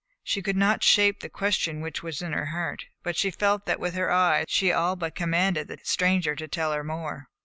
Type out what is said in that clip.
She could not shape the question which was in her heart, but she felt that with her eyes she all but commanded the stranger to tell her more.